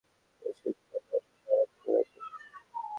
পিয়ংইয়ংয়ের বিরুদ্ধে নতুন করে বেশ কিছু কঠোর অবরোধ আরোপ করে জাতিসংঘ।